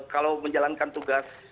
kalau menjalankan tugas